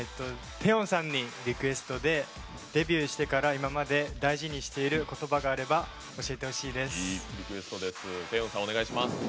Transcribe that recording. テヨンさんにリクエストでデビューしてから今まで大事にしていることばがあれば教えてほしいです。